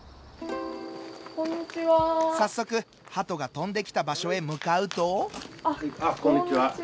早速ハトが飛んできた場所へ向かうとあっこんにちは。